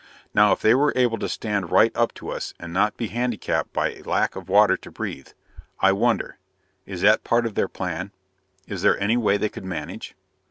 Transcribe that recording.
Now if they were able to stand right up to us and not be handicapped by lack of water to breathe ... I wonder.... Is that part of their plan? Is there any way they could manage